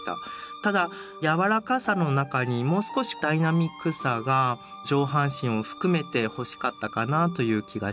ただやわらかさの中にもう少しダイナミックさが上半身を含めて欲しかったかなという気がします。